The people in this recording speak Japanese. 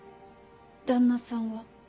旦那さんは？